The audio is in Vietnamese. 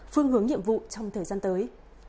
phương hướng nhiệm vụ trong thời gian tới